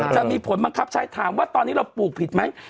จะมีผลบังคับใช้ถามว่าตอนนี้เราปลูกผิดไหม